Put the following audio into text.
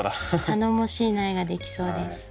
頼もしい苗が出来そうです。